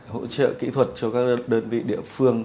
hỗ trợ kỹ thuật cho các đơn vị địa phương